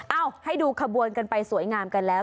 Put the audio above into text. ให้ดูขบวนกันไปสวยงามกันแล้ว